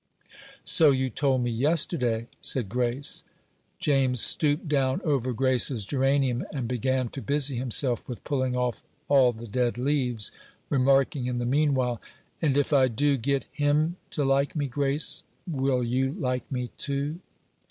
"So you told me yesterday," said Grace. James stooped down over Grace's geranium, and began to busy himself with pulling off all the dead leaves, remarking in the mean while, "And if I do get him to like me, Grace, will you like me too?"